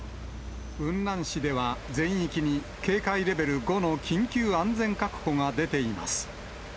雲南市では全域に警戒レベル５の緊急安全確保が出ています。